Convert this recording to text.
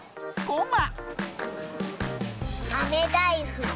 ごま。